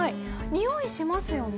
においしますよね。